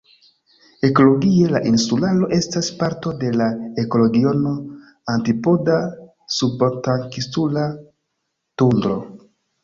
Ekologie, la insularo estas parto de la ekoregiono "antipoda-subantarktinsula tundro".